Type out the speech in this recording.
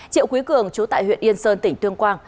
triệu quý cường trú tại huyện yên sơn tỉnh tương quang